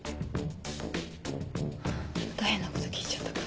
また変なこと聞いちゃったか。